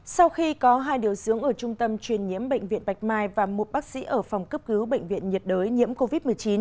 sau khi có hai điều dưỡng ở trung tâm truyền nhiễm bệnh viện bạch mai và một bác sĩ ở phòng cấp cứu bệnh viện nhiệt đới nhiễm covid một mươi chín